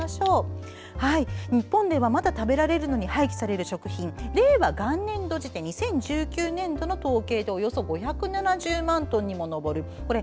日本では、まだ食べられるのに廃棄される食品は令和元年度時点２０１９年度の統計でおよそ５７０万トンに上ります。